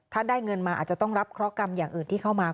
ถ้าได้เงินมาอาจจะต้องรับเคราะหกรรมอย่างอื่นที่เข้ามา